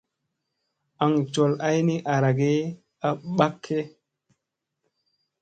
Aŋ col ay ni arage a ɓakge.